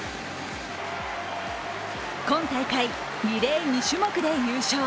今大会、リレー２種目で優勝。